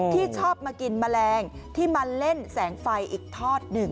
ที่ชอบมากินแมลงที่มาเล่นแสงไฟอีกทอดหนึ่ง